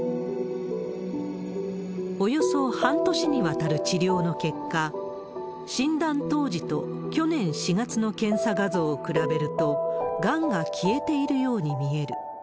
およそ半年にわたる治療の結果、診断当時と去年４月の検査画像を比べると、がんが消えているように見える。